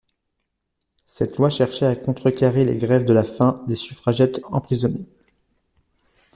Cette loi cherchait à contrecarrer les grèves de la faim des suffragettes emprisonnées.